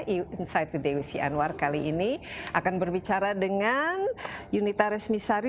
insight with dewi sianwar kali ini akan berbicara dengan unitaris misari